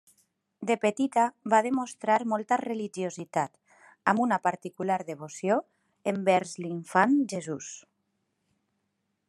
De petita va demostrar molta religiositat, amb una particular devoció envers l'Infant Jesús.